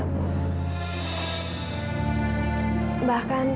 tante ambar mileriscu makanan